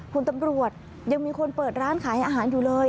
คุณตำรวจยังมีคนเปิดร้านขายอาหารอยู่เลย